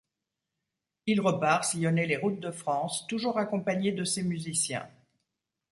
Il repart sillonner les routes de France, toujours accompagné de ses musiciens.